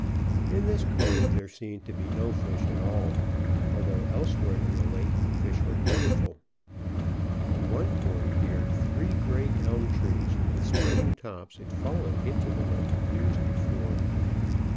In this cove there seemed to be no fish at all, although elsewhere in the lake fish were plentiful. At one point here three great elm trees with spreading tops had fallen into the lake years before.